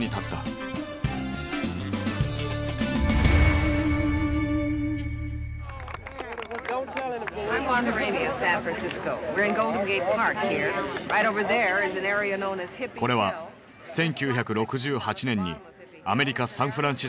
これは１９６８年にアメリカ・サンフランシスコで撮影された映像。